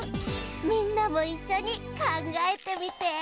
みんなもいっしょにかんがえてみて！